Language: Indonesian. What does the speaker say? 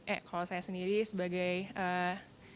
eh kalau saya bilang berita hoaks ini bisa membuat pertikaian dan perpecahan